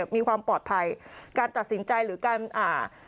มีความปลอดภัยการตัดสินใจหรือการอ่า